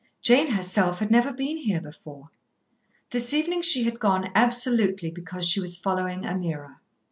Jane herself had never been here before. This evening she had gone absolutely because she was following Ameerah.